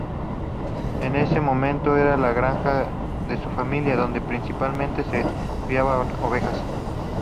En ese momento era la granja de su familia, donde principalmente se criaban ovejas.